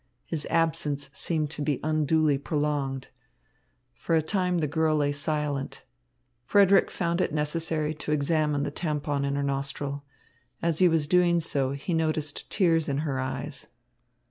His absence seemed to be unduly prolonged. For a time the girl lay silent. Frederick found it necessary to examine the tampon in her nostril. As he was doing so, he noticed tears in her eyes.